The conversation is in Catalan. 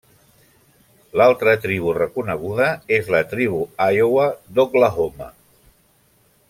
L'altra tribu reconeguda és la Tribu Iowa d'Oklahoma.